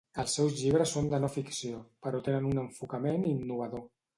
Els seus llibres són de no ficció, però tenen un enfocament innovador.